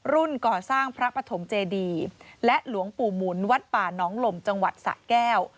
ก่อสร้างพระปฐมเจดีและหลวงปู่หมุนวัดป่าน้องหล่มจังหวัดสะแก้ว